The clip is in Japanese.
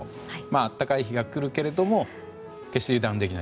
暖かい日が来るけれども決して油断できない